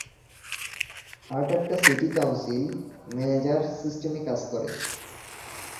Hurst একটা city council manager সিস্টেমে কাজ করে।